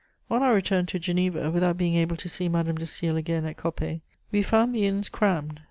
] On our return to Geneva, without being able to see Madame de Staël again at Coppet, we found the inns crammed.